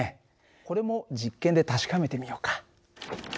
これも実験で確かめてみようか。